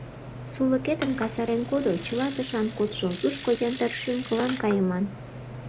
Сулыкетым касарен кодо, чыла тышан кодшо, тушко яндар шӱм-кылан кайыман.